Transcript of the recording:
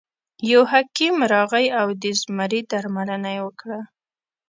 یو حکیم راغی او د زمري درملنه یې وکړه.